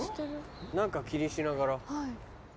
何か気にしながら。